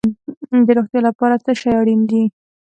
د روغتیا لپاره څه شی اړین دي؟